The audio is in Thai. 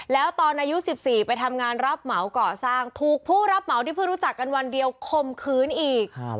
แล้วตอนอายุ๑๔ไปทำงานรับเหมาก่อสร้างถูกผู้รับเหมาที่เพิ่งรู้จักกันวันเดียวคมคืนอีก